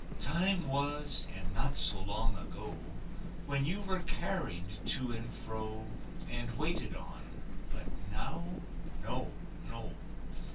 Time was, and not so long ago, When you were carried to and fro And waited on, but now? No! No!